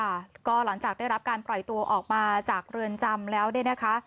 ค่ะก็หลังจากได้รับการปล่อยตัวออกมาจากเรือนจำแล้วเนี่ยนะคะ